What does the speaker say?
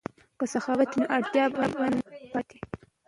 که سخاوت وي نو اړتیا نه پاتیږي.